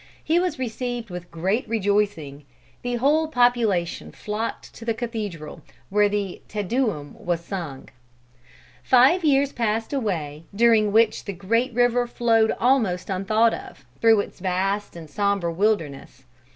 He was received with great rejoicing. The whole population flocked to the cathedral, where the Te Deum was sung. Five years passed away, during which the great river flowed almost unthought of, through its vast and sombre wilderness.